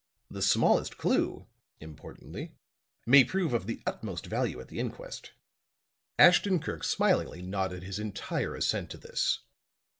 The smallest clue," importantly, "may prove of the utmost value at the inquest." Ashton Kirk smilingly nodded his entire assent to this.